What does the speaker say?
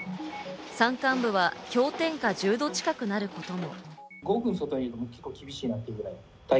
山間部は氷点下１０度近くなることも。